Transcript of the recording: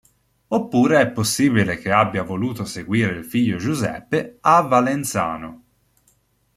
Oppure è possibile che abbia voluto seguire il figlio Giuseppe a Valenzano.